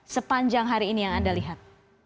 sepanjang hari ini yang anda lihat